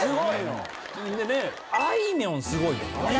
あいみょんすごいよな。